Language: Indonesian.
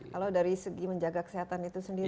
kalau dari segi menjaga kesehatan itu sendiri